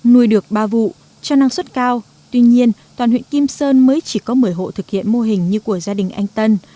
nuôi được ba vụ cho năng suất cao tuy nhiên toàn huyện kim sơn mới chỉ có một mươi hộ thực hiện mô hình như của gia đình anh tân